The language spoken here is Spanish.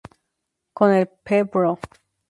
Con el Pbro.